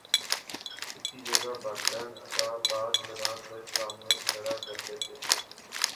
کسی جگہ بادشاہ کا بت بنا کر سامنے کھڑا کرلیتے